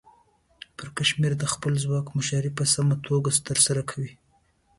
پرکمشر د خپل ځواک مشري په سمه توګه ترسره کوي.